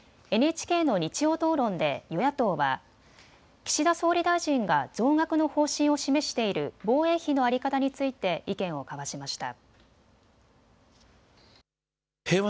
ＮＨＫの日曜討論で与野党は岸田総理大臣が増額の方針を示している防衛費の在り方について意見を交わしました。